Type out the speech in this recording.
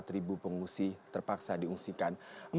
dua puluh empat ribu pengungsi terpaksa diungsikan